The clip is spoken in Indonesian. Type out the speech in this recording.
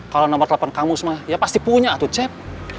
kalau nomor telepon kang mus mah ya pasti punya tuh cep